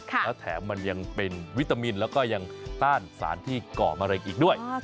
แล้วแถมมันยังเป็นวิตามินแล้วก็ยังต้านสารที่เกาะมะเร็งอีกด้วย